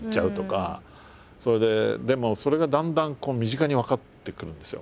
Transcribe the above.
それででもそれがだんだん身近に分かってくるんですよ。